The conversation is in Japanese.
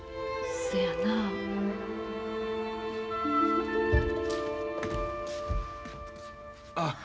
そやなあ。